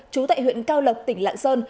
trú tại huyện cao lập tỉnh lạng sơn